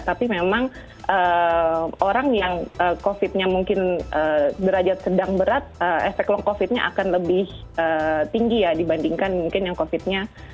tapi memang orang yang covid nya mungkin derajat sedang berat efek long covid nya akan lebih tinggi ya dibandingkan mungkin yang covid nya